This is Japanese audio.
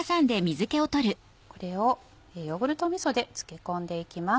これをヨーグルトみそで漬け込んでいきます。